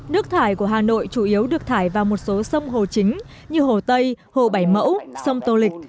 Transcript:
nước thải của hà nội chủ yếu được thải vào một số sông hồ chính như hồ tây hồ bảy mẫu sông tô lịch